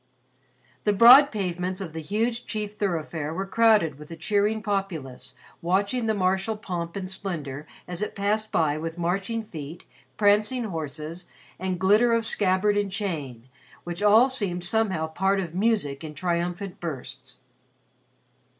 The broad pavements of the huge chief thoroughfare were crowded with a cheering populace watching the martial pomp and splendor as it passed by with marching feet, prancing horses, and glitter of scabbard and chain, which all seemed somehow part of music in triumphant bursts.